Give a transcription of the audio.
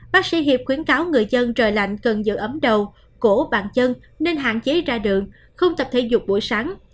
bác sĩ hiệp khuyến cáo người dân trời lạnh cần giữ ấm đầu cổ bàn chân nên hạn chế ra đường không tập thể dục buổi sáng